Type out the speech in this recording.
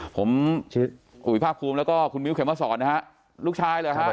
ผมอุ๋ยภาคภูมิแล้วก็คุณมิ้วเข็มมาสอนนะฮะลูกชายเหรอฮะ